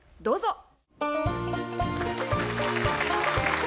どうぞ。